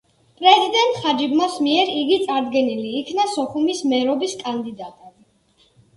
პრეზიდენტ ხაჯიმბას მიერ იგი წარდგენილი იქნა სოხუმის მერობის კანდიდატად.